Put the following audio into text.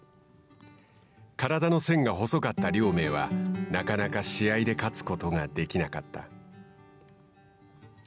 体の線が細かった亮明はなかなか試合で勝つことができなかった。